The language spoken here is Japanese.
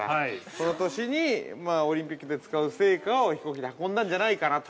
その年に、オリンピックで使う聖火を飛行機で運んだんじゃないかなと。